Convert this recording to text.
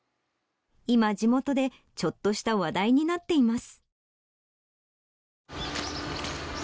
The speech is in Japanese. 今地元でちょっとした話題になっています。